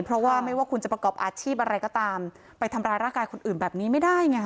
เพราะว่าไม่ว่าคุณจะประกอบอาชีพอะไรก็ตามไปทำร้ายร่างกายคนอื่นแบบนี้ไม่ได้ไง